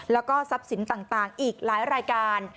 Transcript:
แล้วก็ทรัพย์สินต่างอีกหลายรายการ